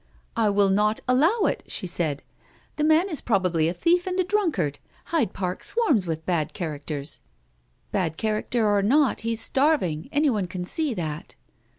" I will not allow it," she said ;" the man is probably a thief and a drunkard. Hyde Park swarms with bad characters." " Bad character or not, he's starving. Anyone can see that."